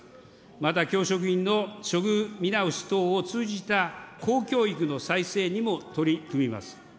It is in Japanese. また、教職員の処遇見直し等を通じた公教育の再生にも取り組みます。